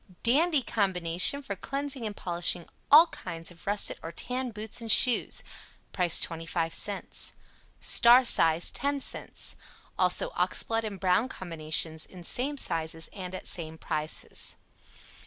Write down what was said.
"DANDY" Combination for cleansing and polishing ALL kinds of russet or tan boots and shoes. Price 25c. "STAR" size, 10c. Also Oxblood and Brown Combinations in same sizes and at same prices.